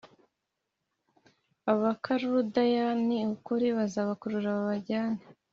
Abakaludaya Ni ukuri bazabakurura babajyane